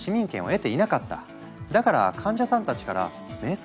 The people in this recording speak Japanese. だから患者さんたちから「瞑想？